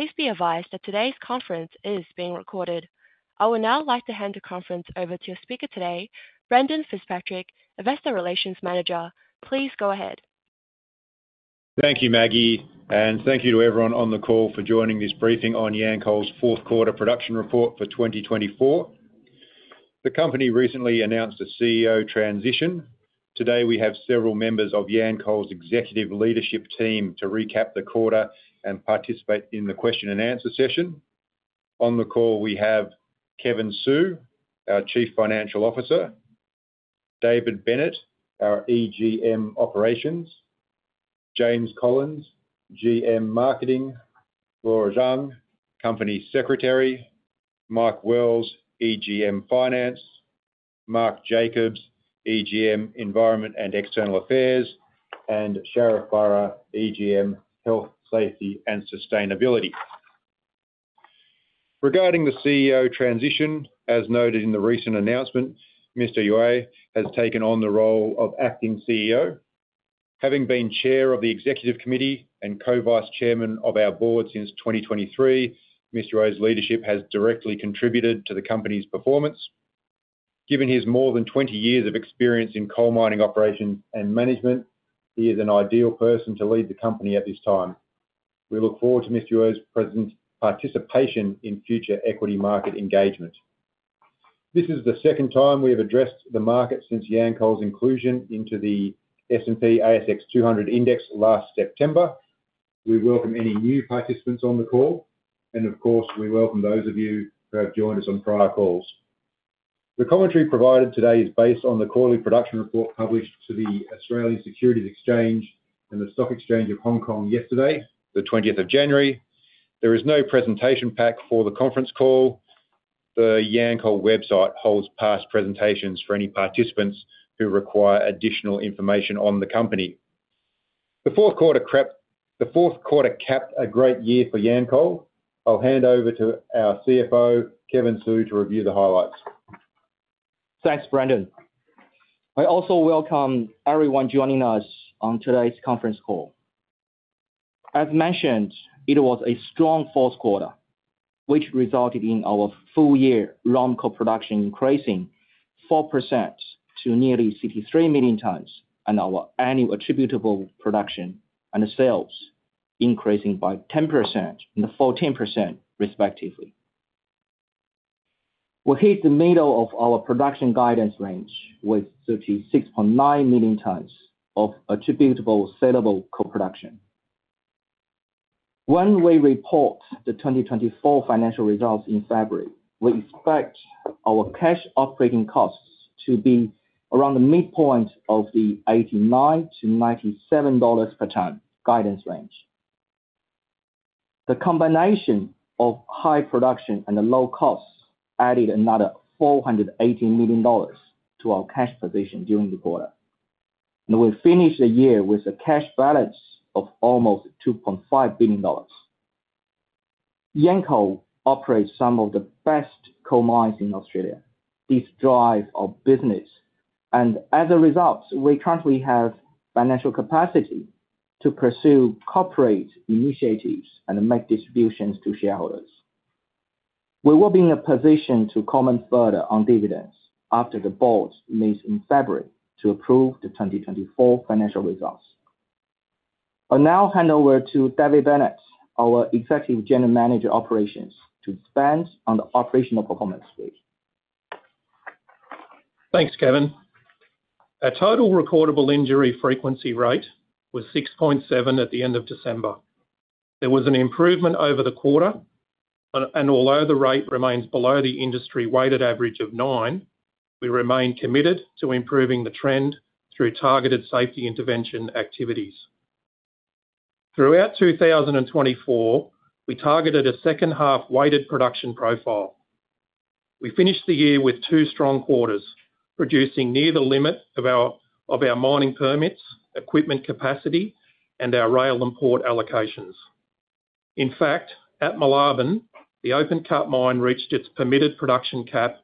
Please be advised that today's conference is being recorded. I would now like to hand the conference over to your speaker today, Brendan Fitzpatrick, Investor Relations Manager. Please go ahead. Thank you, Maggie, and thank you to everyone on the call for joining this briefing on Yancoal's fourth quarter production report for 2024. The company recently announced a CEO transition. Today, we have several members of Yancoal's executive leadership team to recap the quarter and participate in the question-and-answer session. On the call, we have Kevin Su, our Chief Financial Officer, David Bennett, our EGM Operations, James Collins, GM Marketing, Laura Zhang, Company Secretary, Mike Wells, EGM Finance, Mark Jacobs, EGM Environment and External Affairs, and Sharif Bara, EGM Health, Safety, and Sustainability. Regarding the CEO transition, as noted in the recent announcement, Mr. Yue has taken on the role of Acting CEO. Having been Chair of the Executive Committee and Co-Vice Chairman of our board since 2023, Mr. Yue's leadership has directly contributed to the company's performance. Given his more than 20 years of experience in coal mining operations and management, he is an ideal person to lead the company at this time. We look forward to Mr. Yue's participation in future equity market engagement. This is the second time we have addressed the market since Yancoal's inclusion into the S&P/ASX 200 Index last September. We welcome any new participants on the call, and of course, we welcome those of you who have joined us on prior calls. The commentary provided today is based on the quarterly production report published to the Australian Securities Exchange and the Stock Exchange of Hong Kong yesterday, the 20th of January. There is no presentation pack for the conference call. The Yancoal website holds past presentations for any participants who require additional information on the company. The fourth quarter capped a great year for Yancoal. I'll hand over to our CFO, Kevin Su, to review the highlights. Thanks, Brendan. I also welcome everyone joining us on today's conference call. As mentioned, it was a strong fourth quarter, which resulted in our full-year raw coal production increasing 4% to nearly 63 million tons, and our annual attributable production and sales increasing by 10% and 14%, respectively. We hit the middle of our production guidance range with 36.9 million tons of attributable saleable coal production. When we report the 2024 financial results in February, we expect our cash operating costs to be around the midpoint of the 89-97 dollars per ton guidance range. The combination of high production and low costs added another 480 million dollars to our cash position during the quarter, and we finished the year with a cash balance of almost 2.5 billion dollars. Yancoal operates some of the best coal mines in Australia. This drives our business, and as a result, we currently have financial capacity to pursue corporate initiatives and make distributions to shareholders. We will be in a position to comment further on dividends after the board meets in February to approve the 2024 financial results. I'll now hand over to David Bennett, our Executive General Manager, Operations, to expand on the operational performance brief. Thanks, Kevin. Our total recordable injury frequency rate was 6.7 at the end of December. There was an improvement over the quarter, and although the rate remains below the industry weighted average of nine, we remain committed to improving the trend through targeted safety intervention activities. Throughout 2024, we targeted a second-half weighted production profile. We finished the year with two strong quarters, producing near the limit of our mining permits, equipment capacity, and our rail and port allocations. In fact, at Moolarben, the open-cut mine reached its permitted production cap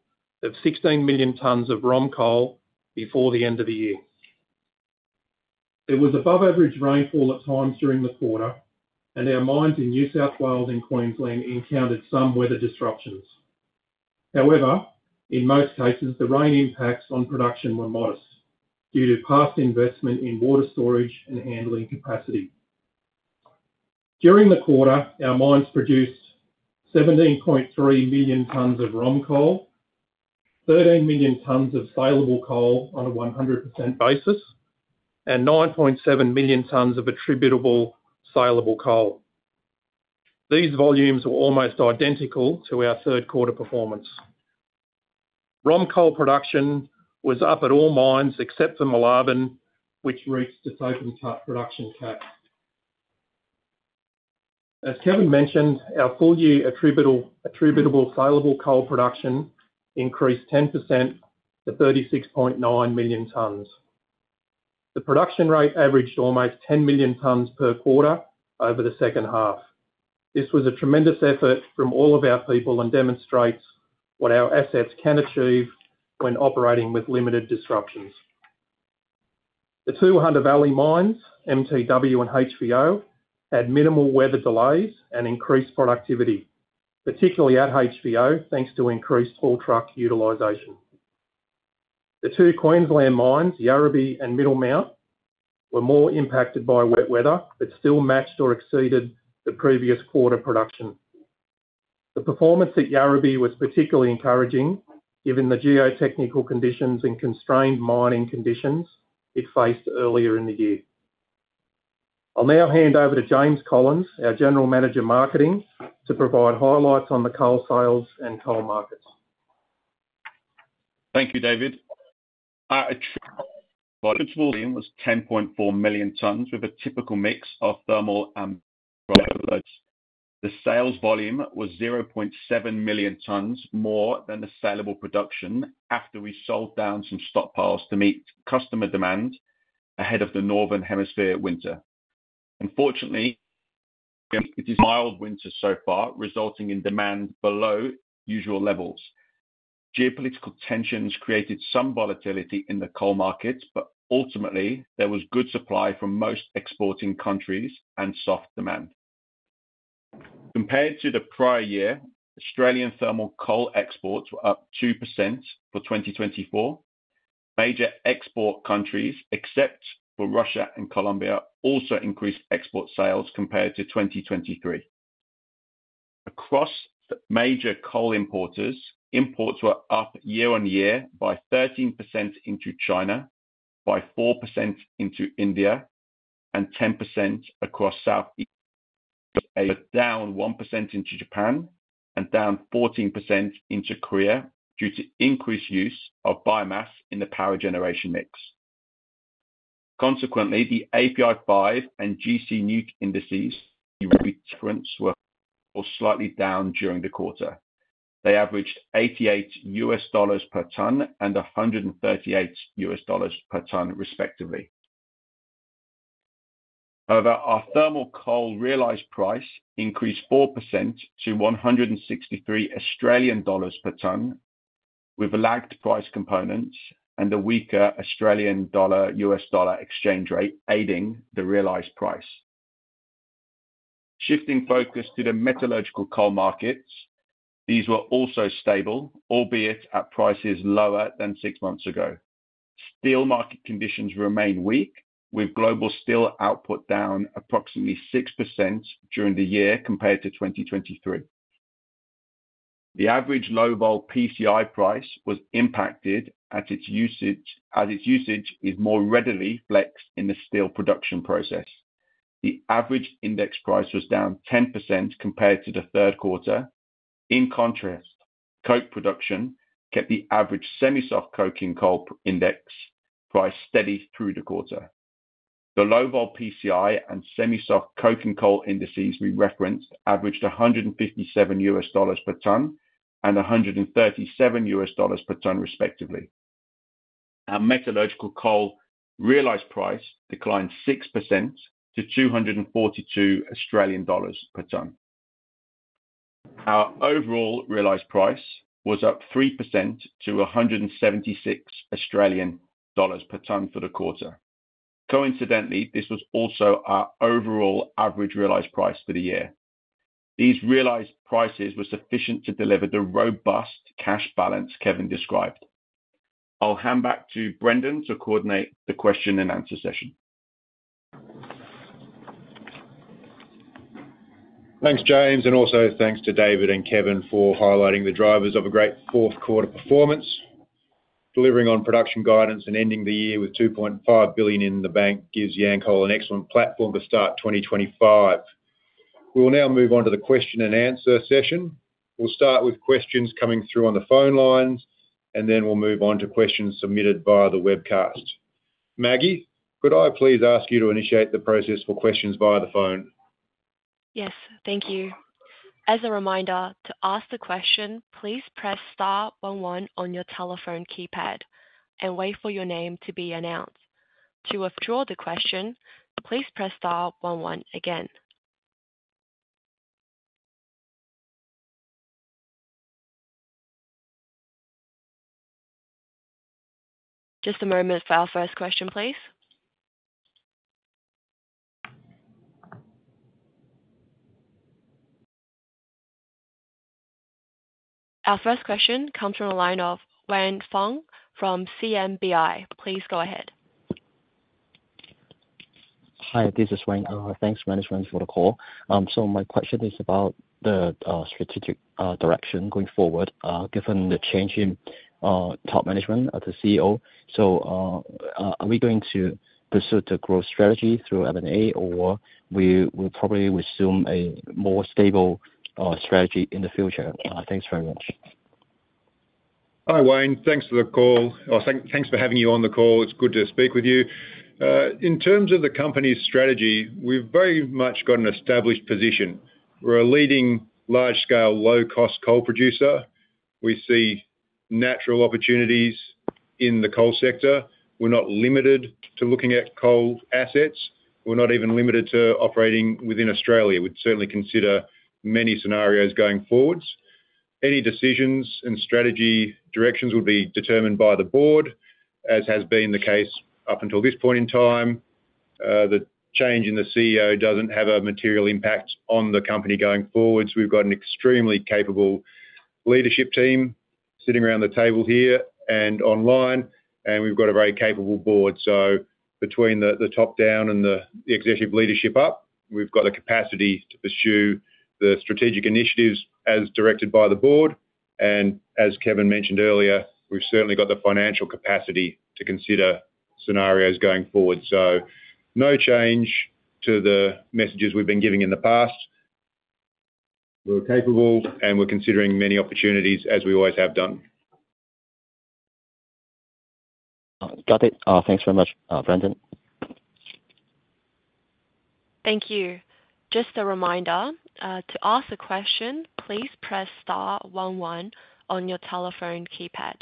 of 16 million tons of raw coal before the end of the year. There was above-average rainfall at times during the quarter, and our mines in New South Wales and Queensland encountered some weather disruptions. However, in most cases, the rain impacts on production were modest due to past investment in water storage and handling capacity. During the quarter, our mines produced 17.3 million tons of raw coal, 13 million tons of saleable coal on a 100% basis, and 9.7 million tons of attributable saleable coal. These volumes were almost identical to our third quarter performance. Raw coal production was up at all mines except for Moolarben, which reached its open-cut production cap. As Kevin mentioned, our full-year attributable saleable coal production increased 10% to 36.9 million tons. The production rate averaged almost 10 million tons per quarter over the second half. This was a tremendous effort from all of our people and demonstrates what our assets can achieve when operating with limited disruptions. The two Hunter Valley mines, MTW and HVO, had minimal weather delays and increased productivity, particularly at HVO, thanks to increased haul truck utilization. The two Queensland mines, Yarrabee and Middle Mount, were more impacted by wet weather but still matched or exceeded the previous quarter production. The performance at Yarrabee was particularly encouraging given the geotechnical conditions and constrained mining conditions it faced earlier in the year. I'll now hand over to James Collins, our General Manager, Marketing, to provide highlights on the coal sales and coal markets. Thank you, David. Our total volume was 10.4 million tons with a typical mix of thermal and metallurgical coal. The sales volume was 0.7 million tons more than the saleable production after we sold down some stockpiles to meet customer demand ahead of the northern hemisphere winter. Unfortunately, it is a mild winter so far, resulting in demand below usual levels. Geopolitical tensions created some volatility in the coal markets, but ultimately, there was good supply from most exporting countries and soft demand. Compared to the prior year, Australian thermal coal exports were up 2% for 2024. Major export countries, except for Russia and Colombia, also increased export sales compared to 2023. Across major coal importers, imports were up year on year by 13% into China, by 4% into India, and 10% across Southeast Asia, down 1% into Japan, and down 14% into Korea due to increased use of biomass in the power generation mix. Consequently, the API 5 and GC NEWC indices were slightly down during the quarter. They averaged $88 per ton and $138 per ton, respectively. However, our thermal coal realized price increased 4% to 163 Australian dollars per ton, with a lagged price component and a weaker Australian dollar-U.S. dollar exchange rate aiding the realized price. Shifting focus to the metallurgical coal markets, these were also stable, albeit at prices lower than six months ago. Steel market conditions remain weak, with global steel output down approximately 6% during the year compared to 2023. The average low-vol PCI price was impacted as its usage is more readily flexed in the steel production process. The average index price was down 10% compared to the third quarter. In contrast, coke production kept the average semi-soft coking coal index price steady through the quarter. The low-vol PCI and semi-soft coking coal indices we referenced averaged $157 per ton and $137 per ton, respectively. Our metallurgical coal realized price declined 6% to 242 Australian dollars per ton. Our overall realized price was up 3% to 176 Australian dollars per ton for the quarter. Coincidentally, this was also our overall average realized price for the year. These realized prices were sufficient to deliver the robust cash balance Kevin described. I'll hand back to Brendan to coordinate the question and answer session. Thanks, James, and also thanks to David and Kevin for highlighting the drivers of a great fourth quarter performance. Delivering on production guidance and ending the year with 2.5 billion in the bank gives Yancoal an excellent platform to start 2025. We'll now move on to the question and answer session. We'll start with questions coming through on the phone lines, and then we'll move on to questions submitted via the webcast. Maggie, could I please ask you to initiate the process for questions via the phone? Yes, thank you. As a reminder, to ask the question, please press star 11 on your telephone keypad and wait for your name to be announced. To withdraw the question, please press star 11 again. Just a moment for our first question, please. Our first question comes from a line of Wen Feng from CMBI. Please go ahead. Hi, this is Wen. Thanks, Management, for the call. So my question is about the strategic direction going forward, given the change in top management at the CEO. So are we going to pursue the growth strategy through M&A, or will we probably resume a more stable strategy in the future? Thanks very much. Hi, Wen. Thanks for the call. Thanks for having you on the call. It's good to speak with you. In terms of the company's strategy, we've very much got an established position. We're a leading large-scale low-cost coal producer. We see natural opportunities in the coal sector. We're not limited to looking at coal assets. We're not even limited to operating within Australia. We'd certainly consider many scenarios going forward. Any decisions and strategy directions will be determined by the board, as has been the case up until this point in time. The change in the CEO doesn't have a material impact on the company going forward. We've got an extremely capable leadership team sitting around the table here and online, and we've got a very capable board. So between the top down and the executive leadership up, we've got the capacity to pursue the strategic initiatives as directed by the board. And as Kevin mentioned earlier, we've certainly got the financial capacity to consider scenarios going forward. So no change to the messages we've been giving in the past. We're capable, and we're considering many opportunities as we always have done. Got it. Thanks very much, Brendan. Thank you. Just a reminder, to ask a question, please press star 11 on your telephone keypad.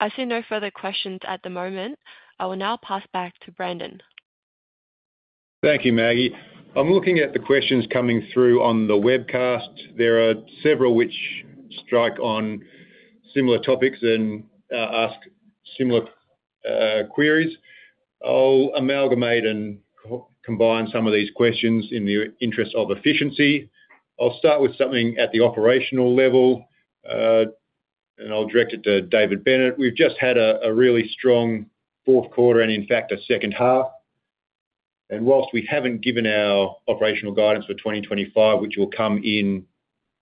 I see no further questions at the moment. I will now pass back to Brendan. Thank you, Maggie. I'm looking at the questions coming through on the webcast. There are several which strike on similar topics and ask similar queries. I'll amalgamate and combine some of these questions in the interest of efficiency. I'll start with something at the operational level, and I'll direct it to David Bennett. We've just had a really strong fourth quarter and, in fact, a second half. And whilst we haven't given our operational guidance for 2025, which will come in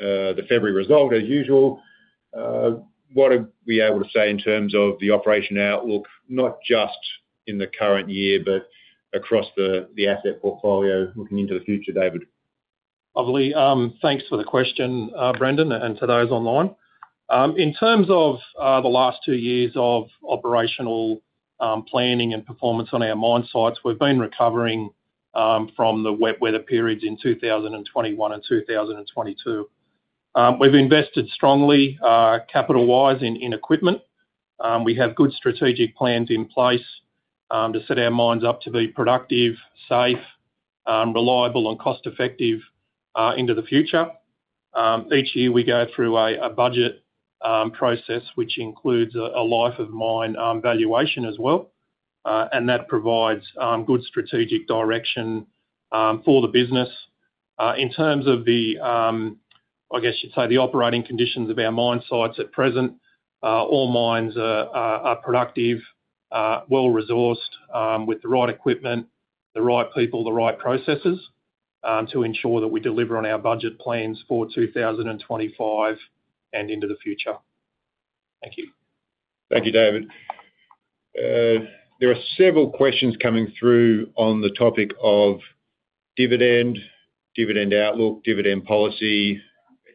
the February result, as usual, what are we able to say in terms of the operational outlook, not just in the current year, but across the asset portfolio looking into the future, David? Lovely. Thanks for the question, Brendan, and to those online. In terms of the last two years of operational planning and performance on our mine sites, we've been recovering from the wet weather periods in 2021 and 2022. We've invested strongly capital-wise in equipment. We have good strategic plans in place to set our mines up to be productive, safe, reliable, and cost-effective into the future. Each year, we go through a budget process, which includes a life-of-mine valuation as well, and that provides good strategic direction for the business. In terms of the, I guess you'd say, the operating conditions of our mine sites at present, all mines are productive, well-resourced, with the right equipment, the right people, the right processes to ensure that we deliver on our budget plans for 2025 and into the future. Thank you. Thank you, David. There are several questions coming through on the topic of dividend, dividend outlook, dividend policy,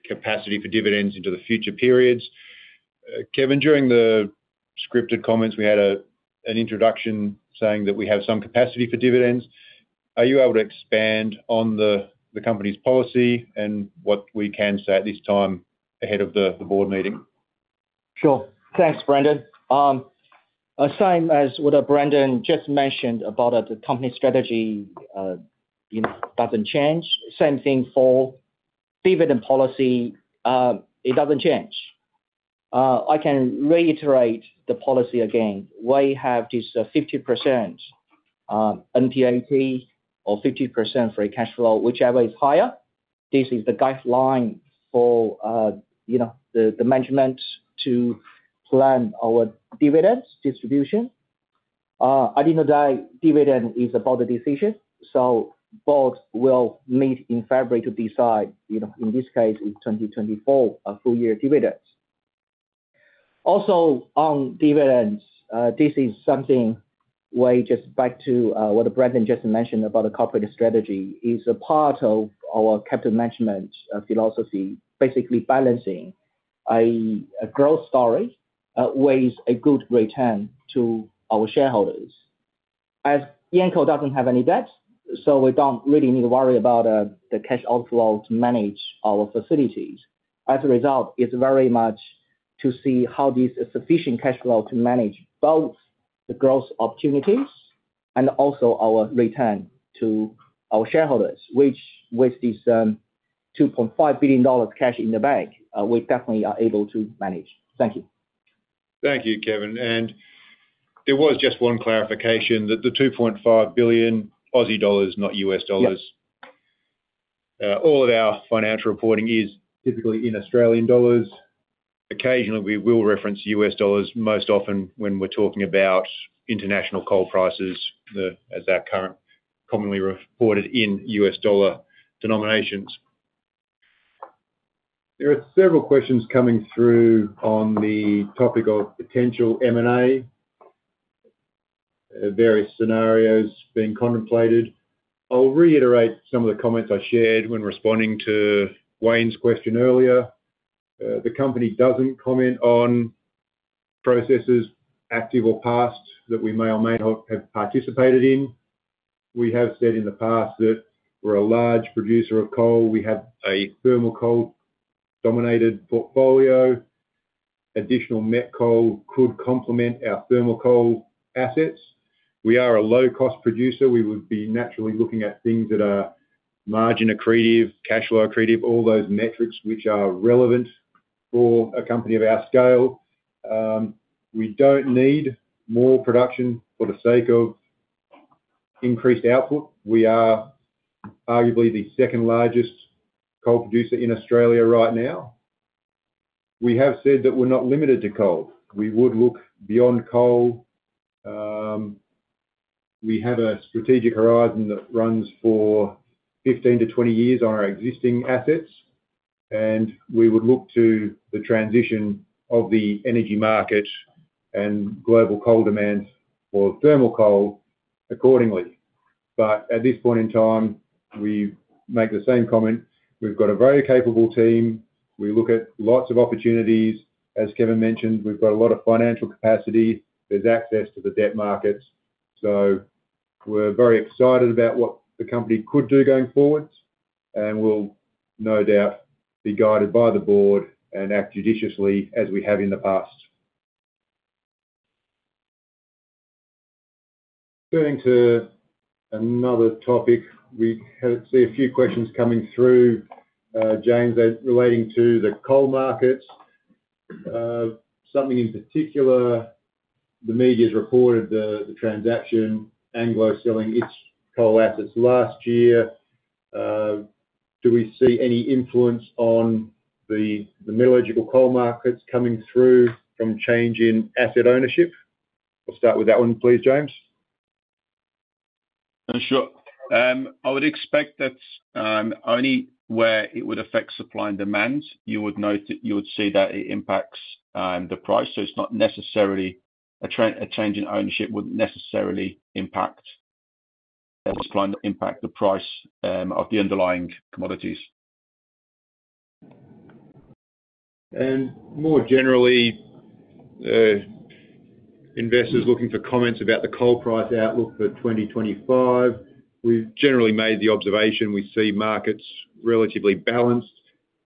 capacity for dividends into the future periods. Kevin, during the scripted comments, we had an introduction saying that we have some capacity for dividends. Are you able to expand on the company's policy and what we can say at this time ahead of the board meeting? Sure. Thanks, Brendan. Same as what Brendan just mentioned about the company strategy doesn't change. Same thing for dividend policy. It doesn't change. I can reiterate the policy again. We have this 50% NPAT or 50% free cash flow, whichever is higher. This is the guideline for the management to plan our dividends distribution. At the end of the day, dividend is about the decision. So the Board will meet in February to decide, in this case, in 2024, a full-year dividend. Also, on dividends, this is something we just go back to what Brendan just mentioned about the corporate strategy. It's a part of our capital management philosophy, basically balancing a growth story with a good return to our shareholders. As Yancoal doesn't have any debt, so we don't really need to worry about the cash outflow to manage our financials. As a result, it's very much to see how this is sufficient cash flow to manage both the growth opportunities and also our return to our shareholders, which with this 2.5 billion dollars cash in the bank, we definitely are able to manage. Thank you. Thank you, Kevin. And there was just one clarification that the 2.5 billion Australian dollars, not U.S. dollars. All of our financial reporting is typically in Australian dollars. Occasionally, we will reference U.S. dollars, most often when we're talking about international coal prices as they're currently reported in U.S. dollar denominations. There are several questions coming through on the topic of potential M&A, various scenarios being contemplated. I'll reiterate some of the comments I shared when responding to Wen's question earlier. The company doesn't comment on processes, active or past, that we may or may not have participated in. We have said in the past that we're a large producer of coal. We have a thermal coal-dominated portfolio. Additional met coal could complement our thermal coal assets. We are a low-cost producer. We would be naturally looking at things that are margin accretive, cash flow accretive, all those metrics which are relevant for a company of our scale. We don't need more production for the sake of increased output. We are arguably the second largest coal producer in Australia right now. We have said that we're not limited to coal. We would look beyond coal. We have a strategic horizon that runs for 15-20 years on our existing assets, and we would look to the transition of the energy market and global coal demand for thermal coal accordingly. But at this point in time, we make the same comment. We've got a very capable team. We look at lots of opportunities. As Kevin mentioned, we've got a lot of financial capacity. There's access to the debt markets. We're very excited about what the company could do going forward, and we'll no doubt be guided by the board and act judiciously as we have in the past. Turning to another topic, we see a few questions coming through, James, relating to the coal markets. Something in particular, the media has reported the transaction, Anglo American selling its coal assets last year. Do we see any influence on the metallurgical coal markets coming through from change in asset ownership? We'll start with that one, please, James. Sure. I would expect that only where it would affect supply and demand, you would see that it impacts the price. So it's not necessarily a change in ownership wouldn't necessarily impact the price of the underlying commodities. And more generally, investors looking for comments about the coal price outlook for 2025. We've generally made the observation we see markets relatively balanced,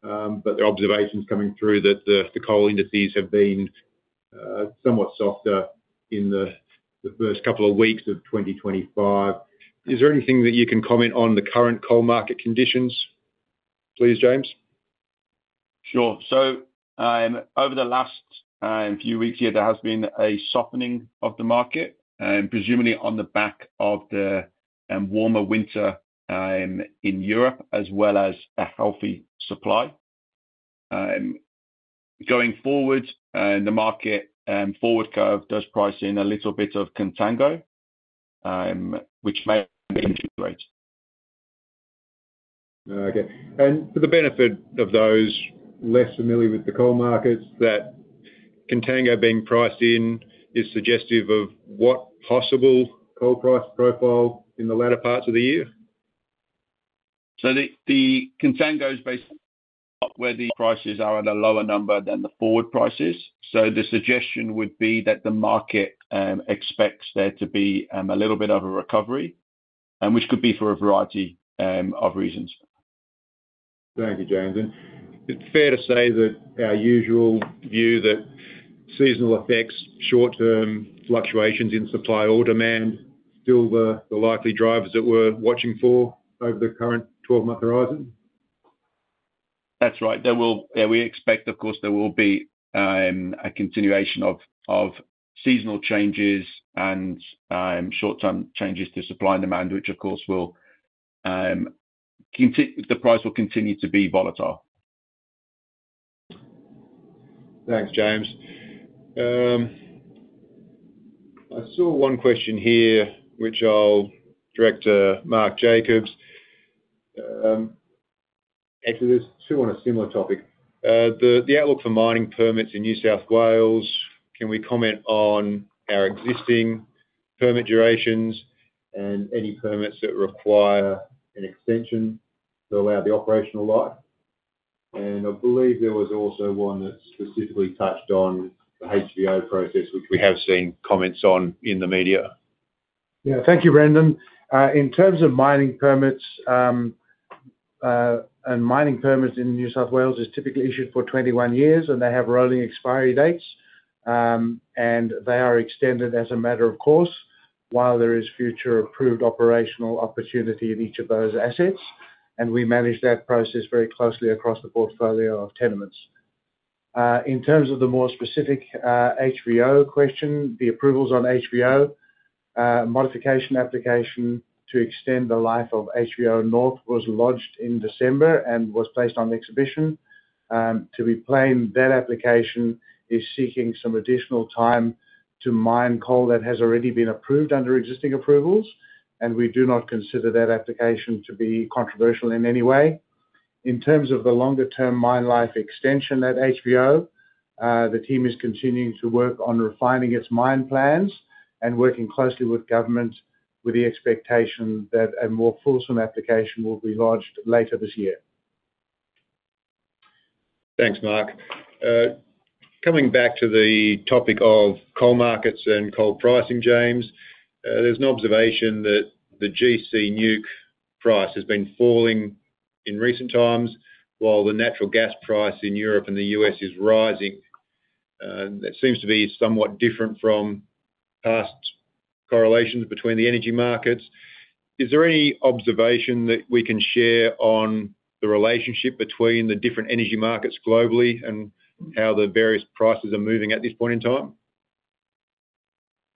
but the observation's coming through that the coal indices have been somewhat softer in the first couple of weeks of 2025. Is there anything that you can comment on the current coal market conditions, please, James? Sure. So over the last few weeks here, there has been a softening of the market, presumably on the back of the warmer winter in Europe, as well as a healthy supply. Going forward, the market forward curve does price in a little bit of contango, which may be interest rates. Okay. And for the benefit of those less familiar with the coal markets, that contango being priced in is suggestive of what possible coal price profile in the latter parts of the year? So the contango's basically where the prices are at a lower number than the forward prices. So the suggestion would be that the market expects there to be a little bit of a recovery, which could be for a variety of reasons. Thank you, James. And it's fair to say that our usual view that seasonal effects, short-term fluctuations in supply or demand, are still the likely drivers that we're watching for over the current 12-month horizon? That's right. Yeah, we expect, of course, there will be a continuation of seasonal changes and short-term changes to supply and demand, which, of course, the price will continue to be volatile. Thanks, James. I saw one question here, which I'll direct to Mark Jacobs. Actually, there's two on a similar topic. The outlook for mining permits in New South Wales, can we comment on our existing permit durations and any permits that require an extension to allow the operational life? I believe there was also one that specifically touched on the HVO process, which we have seen comments on in the media. Yeah. Thank you, Brendan. In terms of mining permits, a mining permit in New South Wales is typically issued for 21 years, and they have rolling expiry dates, and they are extended as a matter of course while there is future approved operational opportunity in each of those assets. We manage that process very closely across the portfolio of tenements. In terms of the more specific HVO question, the approvals on HVO, modification application to extend the life of HVO North was lodged in December and was placed on exhibition. To be plain, that application is seeking some additional time to mine coal that has already been approved under existing approvals, and we do not consider that application to be controversial in any way. In terms of the longer-term mine life extension at HVO, the team is continuing to work on refining its mine plans and working closely with government with the expectation that a more fulsome application will be lodged later this year. Thanks, Mark. Coming back to the topic of coal markets and coal pricing, James, there's an observation that the GC NEWC price has been falling in recent times while the natural gas price in Europe and the U.S. is rising. That seems to be somewhat different from past correlations between the energy markets. Is there any observation that we can share on the relationship between the different energy markets globally and how the various prices are moving at this point in time?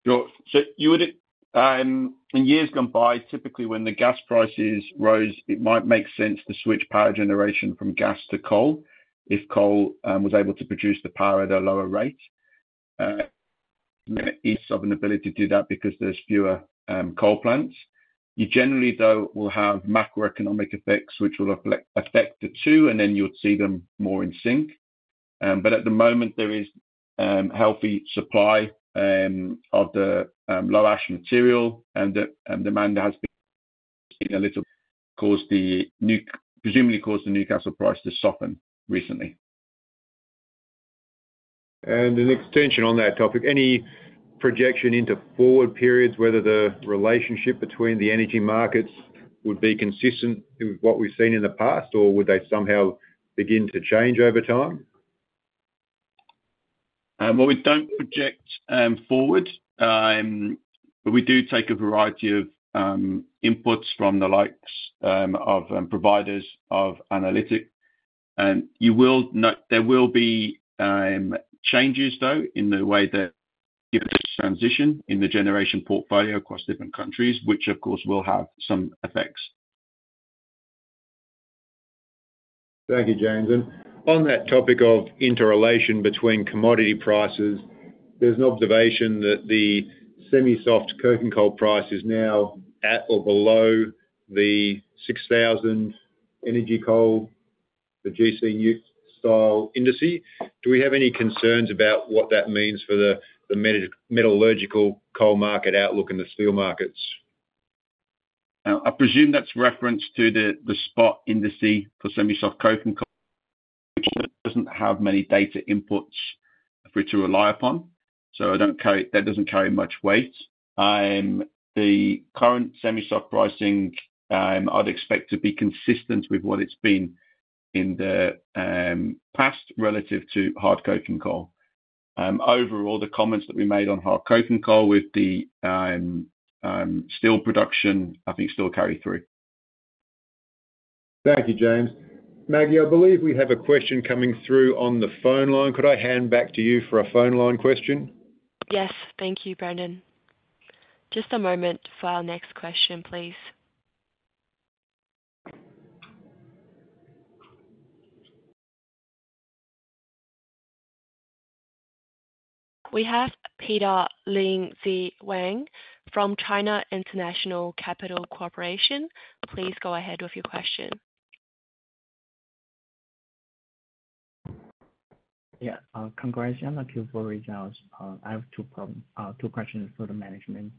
Sure. So in years gone by, typically when the gas prices rose, it might make sense to switch power generation from gas to coal if coal was able to produce the power at a lower rate. There isn't an ability to do that because there's fewer coal plants. You generally, though, will have macroeconomic effects, which will affect the two, and then you'd see them more in sync. But at the moment, there is healthy supply of the low-ash material, and demand has weakened a little, presumably caused the Newcastle coal price to soften recently. And an extension on that topic, any projection into forward periods whether the relationship between the energy markets would be consistent with what we've seen in the past, or would they somehow begin to change over time? We don't project forward, but we do take a variety of inputs from the likes of providers of analytics. There will be changes, though, in the way the transition in the generation portfolio across different countries, which, of course, will have some effects. Thank you, James. On that topic of interrelation between commodity prices, there's an observation that the semi-soft coking coal price is now at or below the 6,000 energy coal, the GC NEWC-style index. Do we have any concerns about what that means for the metallurgical coal market outlook and the steel markets? I presume that's a reference to the spot index for semi-soft coking coal, which doesn't have many data inputs for it to rely upon. So that doesn't carry much weight. The current semi-soft pricing, I'd expect to be consistent with what it's been in the past relative to hard coking coal. Overall, the comments that we made on hard coking coal with the steel production, I think, still carry through. Thank you, James. Maggie, I believe we have a question coming through on the phone line. Could I hand back to you for a phone line question? Yes. Thank you, Brendan. Just a moment for our next question, please. We have Peter Lingzi Wang from China International Capital Corporation. Please go ahead with your question. Yeah. Congratulations on the Q4 results. I have two questions for the management.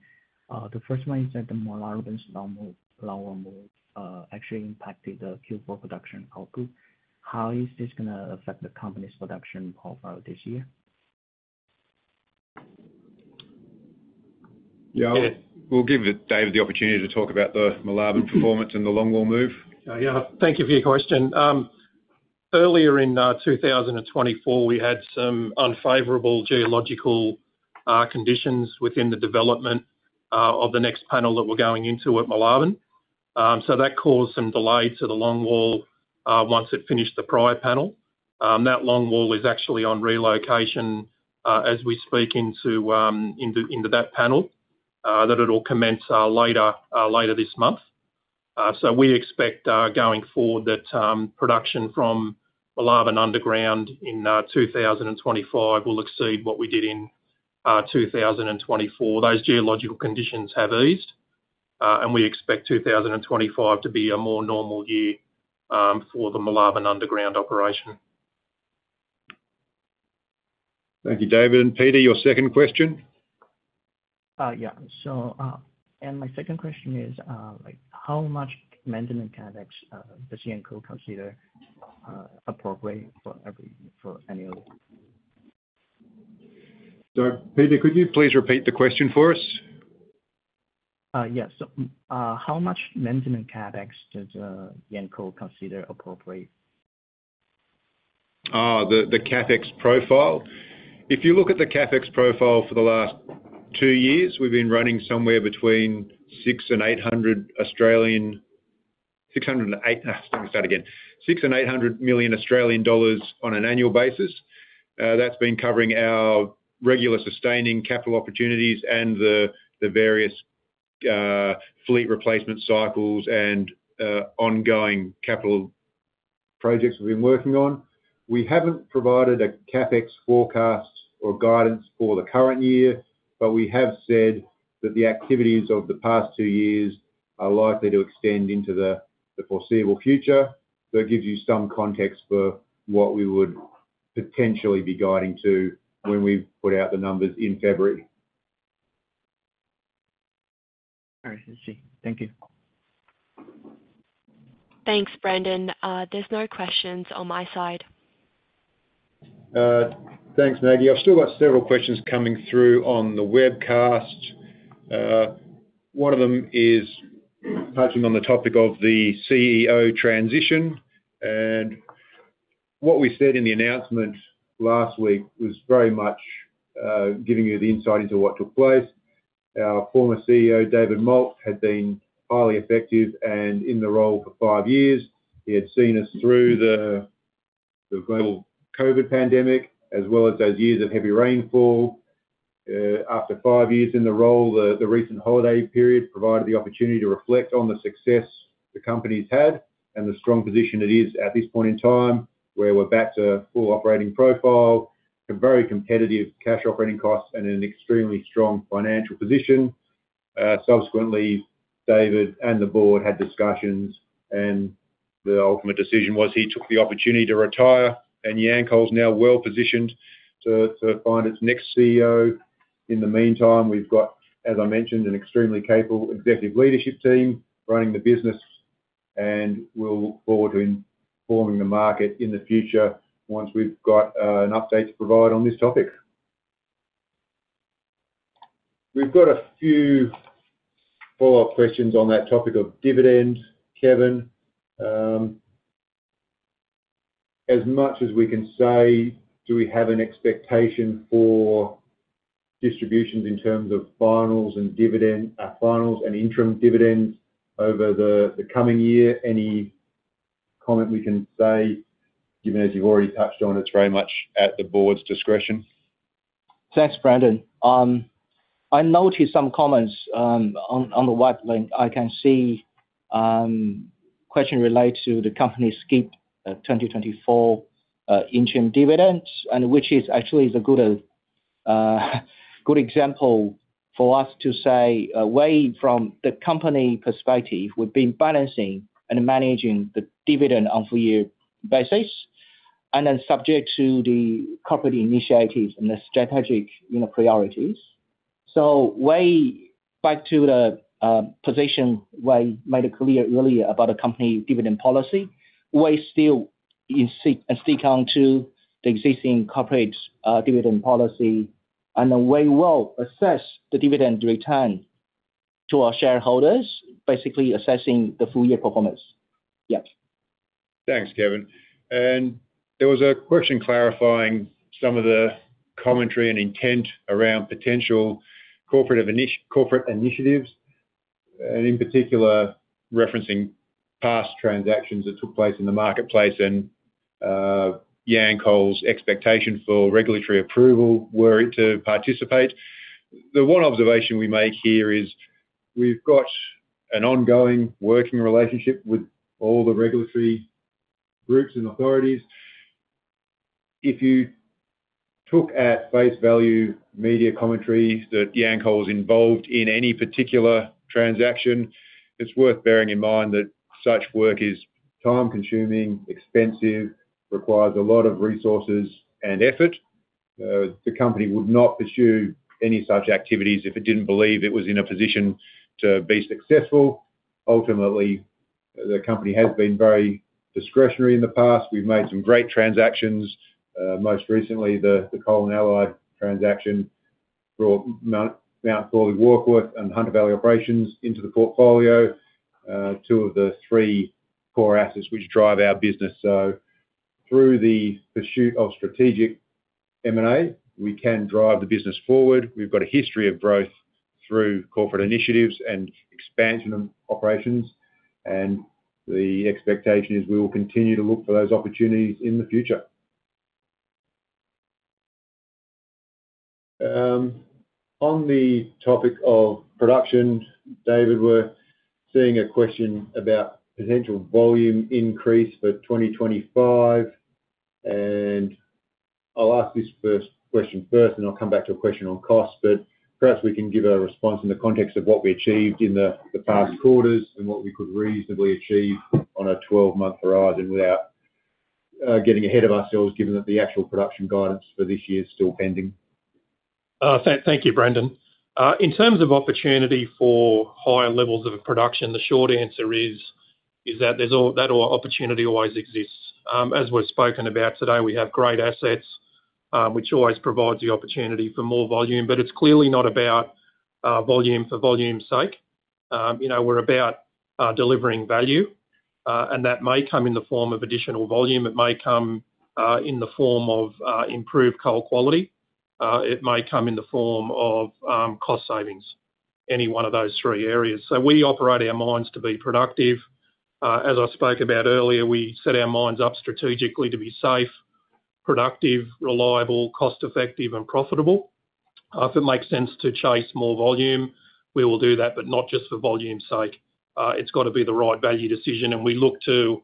The first one is that the Moolarben longwall move actually impacted the Q4 production output. How is this going to affect the company's production profile this year? Yeah. We'll give Dave the opportunity to talk about the Moolarben performance and the longwall move. Yeah. Thank you for your question. Earlier in 2024, we had some unfavorable geological conditions within the development of the next panel that we're going into at Moolarben. So that caused some delay to the longwall once it finished the prior panel. That longwall is actually on relocation as we speak into that panel that it will commence later this month. So we expect going forward that production from Moolarben underground in 2025 will exceed what we did in 2024. Those geological conditions have eased, and we expect 2025 to be a more normal year for the Moolarben underground operation. Thank you, David. And Peter, your second question? Yeah. And my second question is, how much maintenance CapEx does Yancoal consider appropriate for any of it? So Peter, could you please repeat the question for us? Yes. How much maintenance CapEx does Yancoal consider appropriate? The CapEx profile. If you look at the CapEx profile for the last two years, we've been running somewhere between 600 million and 800 million Australian dollars on an annual basis. That's been covering our regular sustaining capital opportunities and the various fleet replacement cycles and ongoing capital projects we've been working on. We haven't provided a CapEx forecast or guidance for the current year, but we have said that the activities of the past two years are likely to extend into the foreseeable future. So it gives you some context for what we would potentially be guiding to when we put out the numbers in February. All right. I see. Thank you. Thanks, Brendan. There's no questions on my side. Thanks, Maggie. I've still got several questions coming through on the webcast. One of them is touching on the topic of the CEO transition. What we said in the announcement last week was very much giving you the insight into what took place. Our former CEO, David Moult, had been highly effective and in the role for five years. He had seen us through the global COVID pandemic as well as those years of heavy rainfall. After five years in the role, the recent holiday period provided the opportunity to reflect on the success the company's had and the strong position it is at this point in time where we're back to full operating profile, very competitive cash operating costs, and an extremely strong financial position. Subsequently, David and the board had discussions, and the ultimate decision was he took the opportunity to retire, and Yancoal's now well positioned to find its next CEO. In the meantime, we've got, as I mentioned, an extremely capable executive leadership team running the business, and we'll look forward to informing the market in the future once we've got an update to provide on this topic. We've got a few follow-up questions on that topic of dividend, Kevin. As much as we can say, do we have an expectation for distributions in terms of finals and interim dividends over the coming year? Any comment we can say, given as you've already touched on, it's very much at the board's discretion. Thanks, Brendan. I noticed some comments on the web link. I can see a question related to the company's skipping 2024 interim dividends, which is actually a good example for us to say, "From the company perspective, we've been balancing and managing the dividend on a four-year basis and then subject to the corporate initiatives and the strategic priorities." So, going back to the position we made clear earlier about the company dividend policy, we still stick to the existing corporate dividend policy, and we will assess the dividend return to our shareholders, basically assessing the full-year performance. Yep. Thanks, Kevin. And there was a question clarifying some of the commentary and intent around potential corporate initiatives, and in particular, referencing past transactions that took place in the marketplace and Yancoal's expectation for regulatory approval, were it to participate. The one observation we make here is we've got an ongoing working relationship with all the regulatory groups and authorities. If you took at face value media commentary that Yancoal's involved in any particular transaction, it's worth bearing in mind that such work is time-consuming, expensive, requires a lot of resources and effort. The company would not pursue any such activities if it didn't believe it was in a position to be successful. Ultimately, the company has been very discretionary in the past. We've made some great transactions. Most recently, the Coal & Allied transaction brought Mount Thorley Warkworth and Hunter Valley Operations into the portfolio, two of the three core assets which drive our business, so through the pursuit of strategic M&A, we can drive the business forward. We've got a history of growth through corporate initiatives and expansion of operations, and the expectation is we will continue to look for those opportunities in the future. On the topic of production, David, we're seeing a question about potential volume increase for 2025, and I'll ask this first question first, and I'll come back to a question on costs, but perhaps we can give a response in the context of what we achieved in the past quarters and what we could reasonably achieve on a 12-month horizon without getting ahead of ourselves, given that the actual production guidance for this year is still pending. Thank you, Brendan. In terms of opportunity for higher levels of production, the short answer is that that opportunity always exists. As we've spoken about today, we have great assets, which always provides the opportunity for more volume, but it's clearly not about volume for volume's sake. We're about delivering value, and that may come in the form of additional volume. It may come in the form of improved coal quality. It may come in the form of cost savings, any one of those three areas. So we operate our mines to be productive. As I spoke about earlier, we set our mines up strategically to be safe, productive, reliable, cost-effective, and profitable. If it makes sense to chase more volume, we will do that, but not just for volume's sake. It's got to be the right value decision, and we look to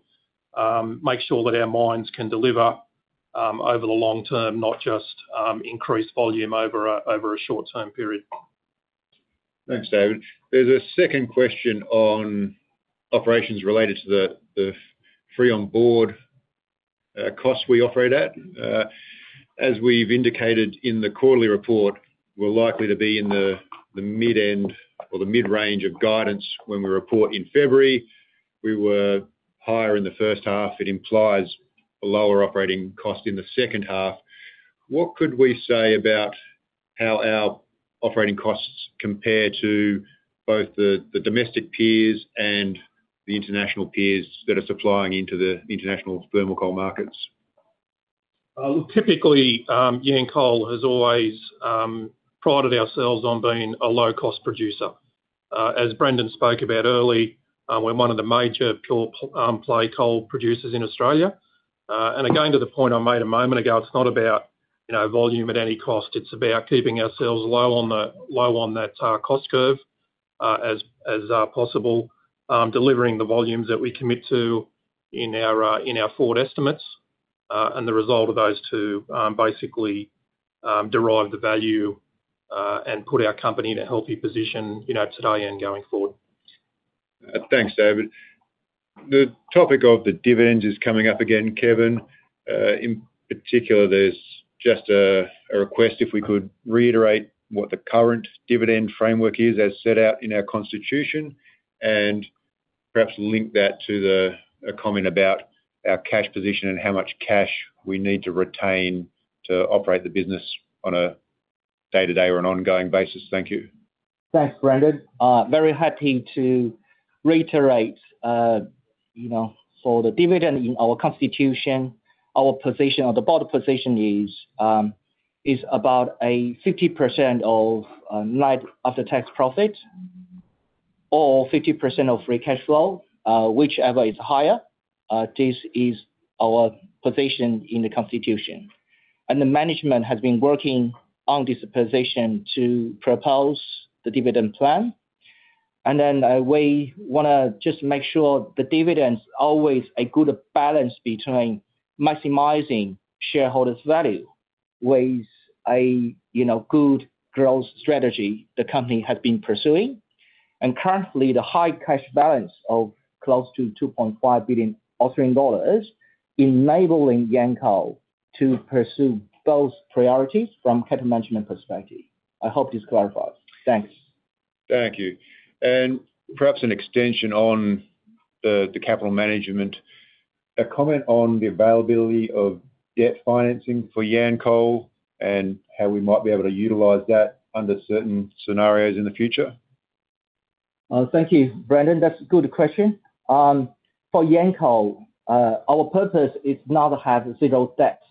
make sure that our mines can deliver over the long term, not just increase volume over a short-term period. Thanks, David. There's a second question on operations related to the free on board costs we operate at. As we've indicated in the quarterly report, we're likely to be in the mid-end or the mid-range of guidance when we report in February. We were higher in the first half. It implies a lower operating cost in the second half. What could we say about how our operating costs compare to both the domestic peers and the international peers that are supplying into the international thermal coal markets? Look, typically, Yancoal has always prided ourselves on being a low-cost producer. As Brendan spoke about earlier, we're one of the major pure-play coal producers in Australia. And again, to the point I made a moment ago, it's not about volume at any cost. It's about keeping ourselves low on that cost curve as possible, delivering the volumes that we commit to in our forward estimates, and the result of those two basically derive the value and put our company in a healthy position today and going forward. Thanks, David. The topic of the dividends is coming up again, Kevin. In particular, there's just a request if we could reiterate what the current dividend framework is as set out in our constitution and perhaps link that to a comment about our cash position and how much cash we need to retain to operate the business on a day-to-day or an ongoing basis. Thank you. Thanks, Brendan. Very happy to reiterate. For the dividend in our constitution, our position or the board position is about 50% of net after-tax profit or 50% of free cash flow, whichever is higher. This is our position in the constitution. And the management has been working on this position to propose the dividend plan. And then we want to just make sure the dividend's always a good balance between maximizing shareholders' value with a good growth strategy the company has been pursuing. And currently, the high cash balance of close to 2.5 billion Australian dollars enabling Yancoal to pursue both priorities from capital management perspective. I hope this clarifies. Thanks. Thank you. And perhaps an extension on the capital management, a comment on the availability of debt financing for Yancoal and how we might be able to utilize that under certain scenarios in the future. Thank you, Brendan. That's a good question. For Yancoal, our purpose is not to have zero debt.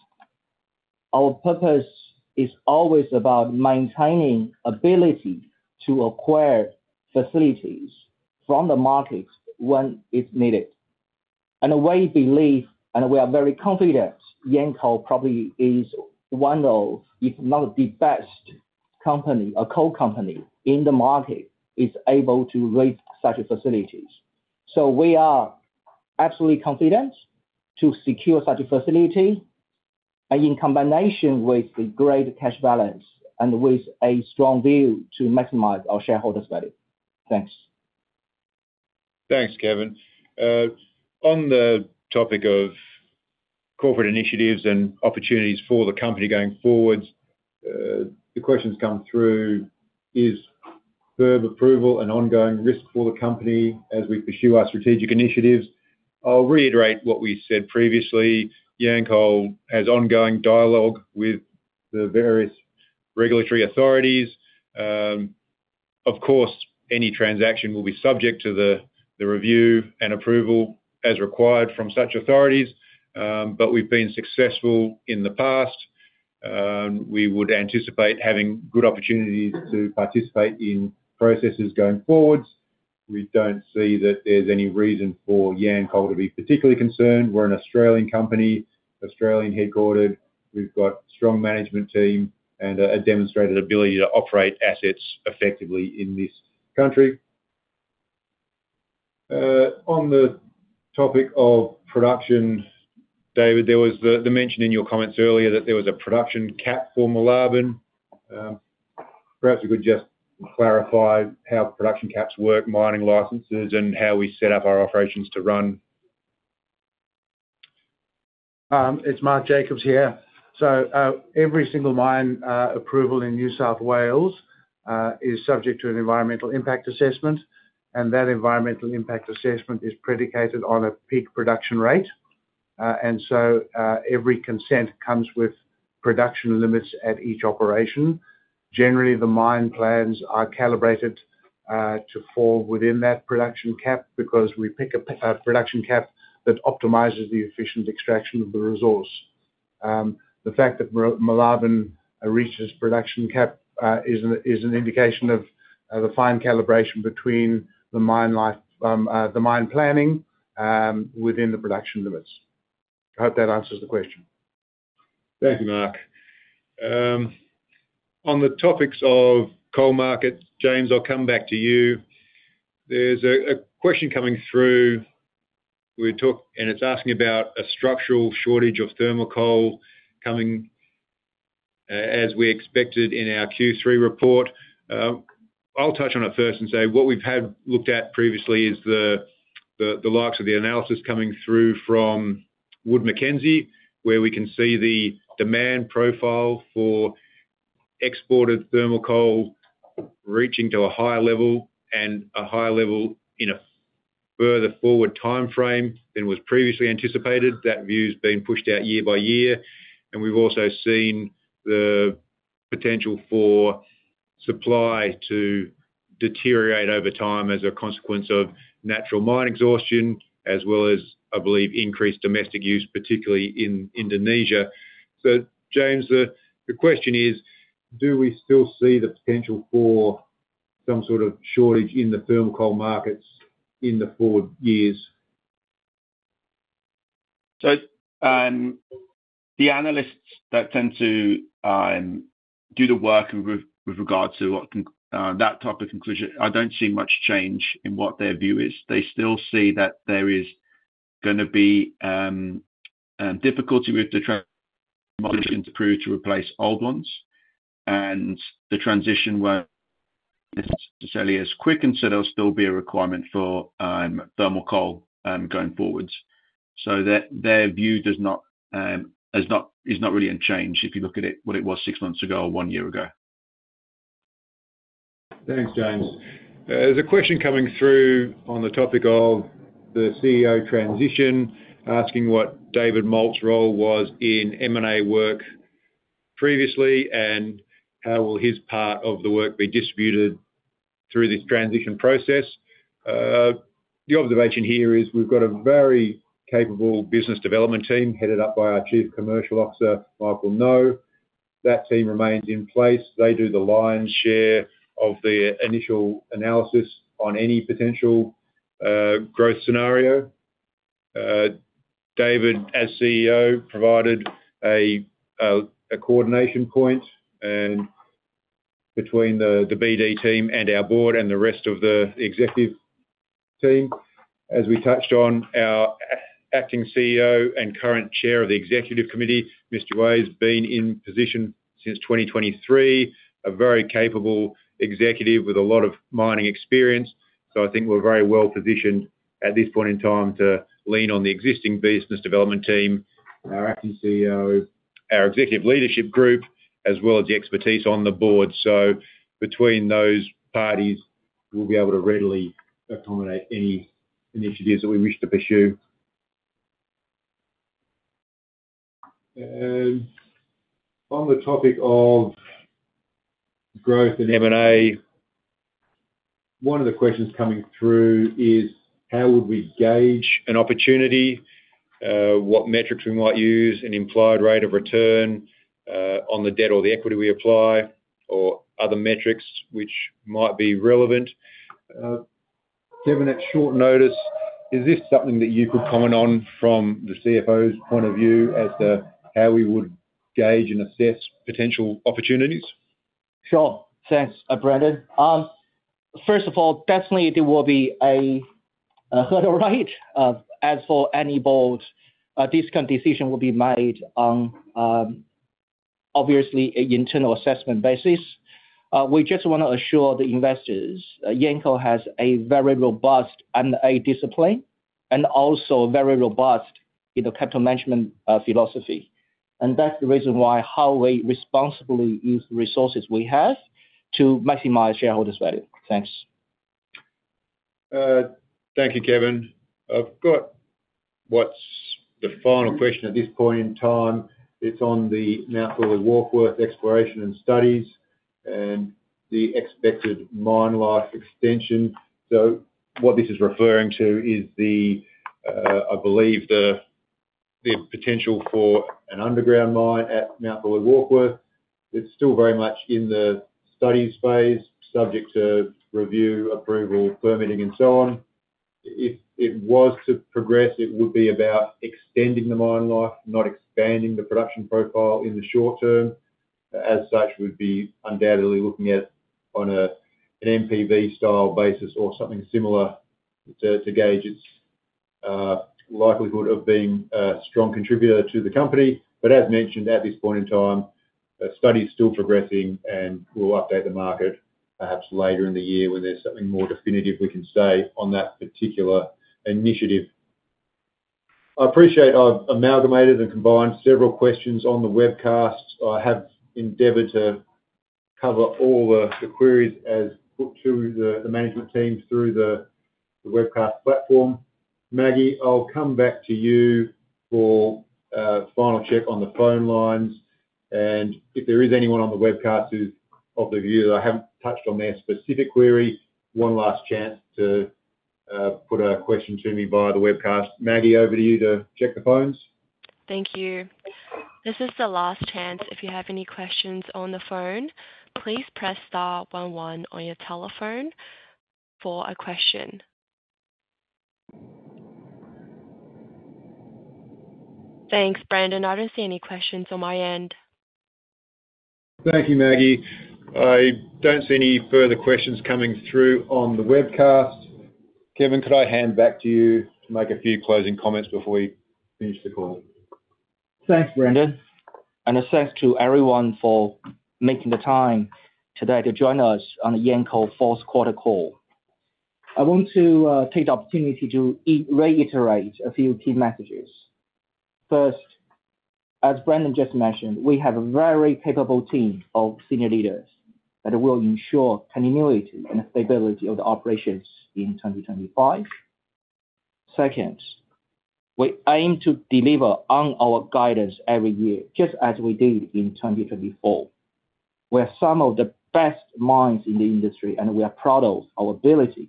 Our purpose is always about maintaining ability to acquire facilities from the market when it's needed. And we believe, and we are very confident, Yancoal probably is one of, if not the best company, a coal company in the market is able to raise such facilities. So we are absolutely confident to secure such a facility in combination with the great cash balance and with a strong view to maximize our shareholders' value. Thanks. Thanks, Kevin. On the topic of corporate initiatives and opportunities for the company going forward, the questions come through is FIRB approval and ongoing risk for the company as we pursue our strategic initiatives. I'll reiterate what we said previously. Yancoal has ongoing dialogue with the various regulatory authorities. Of course, any transaction will be subject to the review and approval as required from such authorities, but we've been successful in the past. We would anticipate having good opportunities to participate in processes going forward. We don't see that there's any reason for Yancoal to be particularly concerned. We're an Australian company, Australian headquartered. We've got a strong management team and a demonstrated ability to operate assets effectively in this country. On the topic of production, David, there was the mention in your comments earlier that there was a production cap for Moolarben. Perhaps you could just clarify how production caps work, mining licenses, and how we set up our operations to run. It's Mark Jacobs here. So every single mine approval in New South Wales is subject to an environmental impact assessment, and that environmental impact assessment is predicated on a peak production rate. And so every consent comes with production limits at each operation. Generally, the mine plans are calibrated to fall within that production cap because we pick a production cap that optimizes the efficient extraction of the resource. The fact that Moolarben reaches production cap is an indication of the fine calibration between the mine planning within the production limits. I hope that answers the question. Thank you, Mark. On the topics of coal markets, James, I'll come back to you. There's a question coming through, and it's asking about a structural shortage of thermal coal coming as we expected in our Q3 report. I'll touch on it first and say what we've had looked at previously is the likes of the analysis coming through from Wood Mackenzie, where we can see the demand profile for exported thermal coal reaching to a higher level and a higher level in a further forward timeframe than was previously anticipated. That view's been pushed out year by year. And we've also seen the potential for supply to deteriorate over time as a consequence of natural mine exhaustion, as well as, I believe, increased domestic use, particularly in Indonesia. So, James, the question is, do we still see the potential for some sort of shortage in the thermal coal markets in the forward years? So the analysts that tend to do the work with regard to that type of conclusion, I don't see much change in what their view is. They still see that there is going to be difficulty with the transition to new to replace old ones, and the transition won't necessarily be as quick, and so there'll still be a requirement for thermal coal going forward. So their view is not really changed if you look at it what it was six months ago or one year ago. Thanks, James. There's a question coming through on the topic of the CEO transition, asking what David Moult's role was in M&A work previously and how will his part of the work be distributed through this transition process. The observation here is we've got a very capable business development team headed up by our Chief Commercial Officer, Michael Ngo. That team remains in place. They do the lion's share of the initial analysis on any potential growth scenario. David, as CEO, provided a coordination point between the BD team and our board and the rest of the executive team. As we touched on, our acting CEO and current chair of the executive committee, Mr. Yue, has been in position since 2023, a very capable executive with a lot of mining experience. So I think we're very well positioned at this point in time to lean on the existing business development team, our acting CEO, our executive leadership group, as well as the expertise on the board. So between those parties, we'll be able to readily accommodate any initiatives that we wish to pursue. And on the topic of growth and M&A, one of the questions coming through is how would we gauge an opportunity, what metrics we might use, an implied rate of return on the debt or the equity we apply, or other metrics which might be relevant. Kevin, at short notice, is this something that you could comment on from the CFO's point of view as to how we would gauge and assess potential opportunities? Sure. Thanks, Brendan. First of all, definitely there will be a hurdle right. As for any board, a discount decision will be made on, obviously, an internal assessment basis. We just want to assure the investors, Yancoal has a very robust M&A discipline and also a very robust capital management philosophy. And that's the reason why how we responsibly use the resources we have to maximize shareholders' value. Thanks. Thank you, Kevin. I've got what's the final question at this point in time. It's on the Mount Thorley Warkworth exploration and studies and the expected mine life extension. So what this is referring to is, I believe, the potential for an underground mine at Mount Thorley Warkworth. It's still very much in the studies phase, subject to review, approval, permitting, and so on. If it was to progress, it would be about extending the mine life, not expanding the production profile in the short term. As such, we'd be undoubtedly looking at it on an NPV-style basis or something similar to gauge its likelihood of being a strong contributor to the company. But as mentioned, at this point in time, the study's still progressing, and we'll update the market perhaps later in the year when there's something more definitive we can say on that particular initiative. I appreciate I've amalgamated and combined several questions on the webcast. I have endeavored to cover all the queries as put to the management team through the webcast platform. Maggie, I'll come back to you for a final check on the phone lines. And if there is anyone on the webcast who's of the view that I haven't touched on their specific query, one last chance to put a question to me via the webcast. Maggie, over to you to check the phones. Thank you. This is the last chance. If you have any questions on the phone, please press star 11 on your telephone for a question. Thanks, Brendan. I don't see any questions on my end. Thank you, Maggie. I don't see any further questions coming through on the webcast. Kevin, could I hand back to you to make a few closing comments before we finish the call? Thanks, Brendan, and thanks to everyone for making the time today to join us on the Yancoal fourth quarter call. I want to take the opportunity to reiterate a few key messages. First, as Brendan just mentioned, we have a very capable team of senior leaders that will ensure continuity and stability of the operations in 2025. Second, we aim to deliver on our guidance every year, just as we did in 2024. We are some of the best mines in the industry, and we are proud of our ability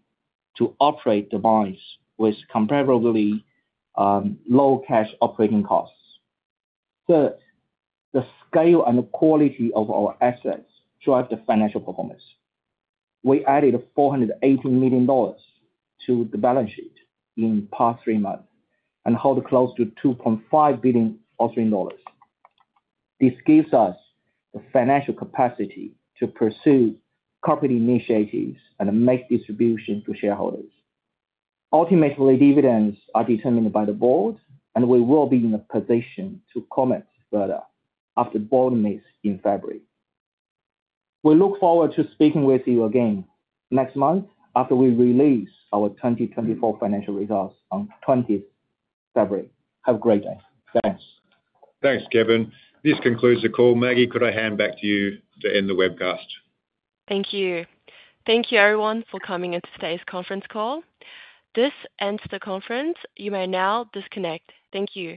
to operate the mines with comparatively low cash operating costs. Third, the scale and the quality of our assets drive the financial performance. We added 418 million dollars to the balance sheet in past three months and hold close to 2.5 billion Australian dollars. This gives us the financial capacity to pursue corporate initiatives and make distribution to shareholders. Ultimately, dividends are determined by the board, and we will be in a position to comment further after board meets in February. We look forward to speaking with you again next month after we release our 2024 financial results on 20th February. Have a great day. Thanks. Thanks, Kevin. This concludes the call. Maggie, could I hand back to you to end the webcast? Thank you. Thank you, everyone, for coming into today's conference call. This ends the conference. You may now disconnect. Thank you.